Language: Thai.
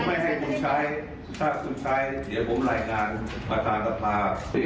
ไม่ให้คุณใช้ถ้าคุณใช้เดี๋ยวผมรายงานประธานสภา